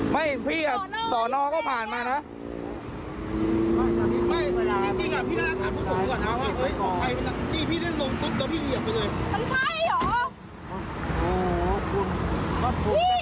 ไม่จริงจริงอ่ะพี่น่าถามพวกผมก่อนนะว่าเอ้ยพี่ได้ลงตุ๊กแล้วพี่เหยียบไปเลย